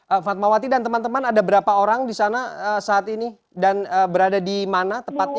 pak fatmawati dan teman teman ada berapa orang di sana saat ini dan berada di mana tepatnya